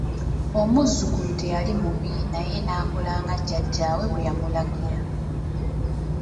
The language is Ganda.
Omuzzukulu teyali mubi naye n'akola nga jjajjaawe bwe yamulagira.